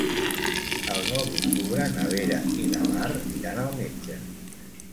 El nou d'octubre na Vera i na Mar iran al metge.